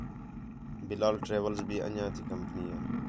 بلال ٹریولز بھی اِنہیاں تی کمپنی ہے